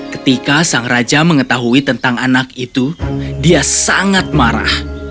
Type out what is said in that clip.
ketika sang raja mengetahui tentang anak itu dia sangat marah